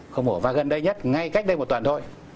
không mổ và gần đây nhất ngay cách đây một tuần thôi